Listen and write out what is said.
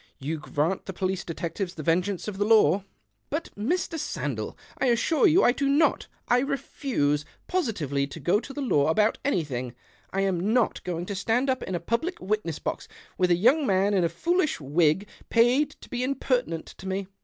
You /ant the police, detectives, the vengeance of he law." 170 THE OCTAVE OF CLAUDIUS. " But, Mr. Sandell, I assure you I do not ; I refuse, positively, to go to law about any thing. I am not going to stand up in a public witness box with a young man in a foolish wig paid to be impertinent to me."